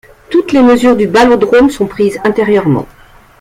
Toutes les mesures du ballodrome sont prises intérieurement.